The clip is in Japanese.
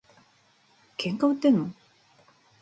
喧嘩売ってんの？